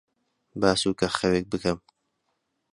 با سووکەخەوێک بکەم.